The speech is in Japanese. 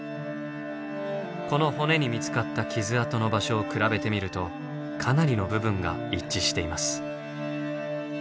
この骨に見つかった傷痕の場所を比べてみるとかなりの部分が一致しています。